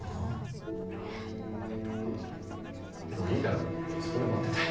もういいからそこで待ってて。